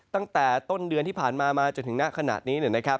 ตั้งแต่ต้นเดือนที่ผ่านมามาจนถึงหน้าขณะนี้นะครับ